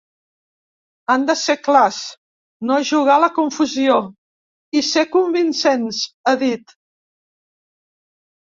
Han de ser clars, no jugar a la confusió i ser convincents, ha dit.